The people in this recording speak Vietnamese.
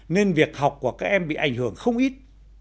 nên việc học của các em bị ảnh hưởng không ít